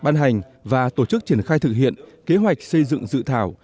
thành và tổ chức triển khai thực hiện kế hoạch xây dựng dự thảo